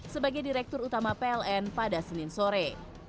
sebagai direktur utama pln pada senin sore